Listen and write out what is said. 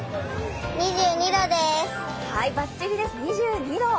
バッチリです、２２度。